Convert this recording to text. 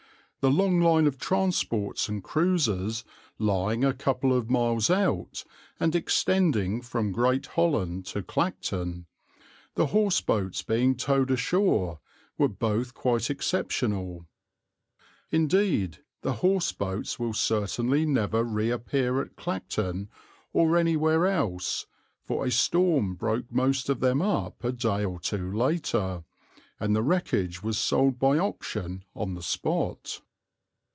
The long line of transports and cruisers lying a couple of miles out and extending from Great Holland to Clacton, the horse boats being towed ashore, were both quite exceptional. Indeed, the horse boats will certainly never reappear at Clacton or anywhere else, for a storm broke most of them up a day or two later, and the wreckage was sold by auction on the spot.